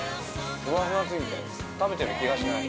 ふわふわ過ぎて、食べてる気がしない。